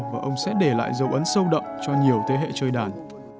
và ông sẽ để lại dấu ấn sâu đậm cho nhiều thế hệ chơi đàn